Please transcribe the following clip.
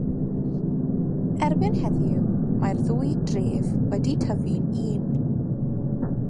Erbyn heddiw mae'r ddwy dref wedi tyfu'n un.